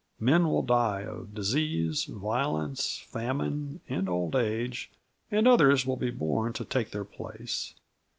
Men will die of disease, violence, famine and old age, and others will be born to take their place.